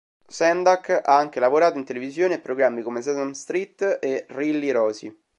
Sendak ha anche lavorato in televisione, a programmi come "Sesame Street" e "Really Rosie".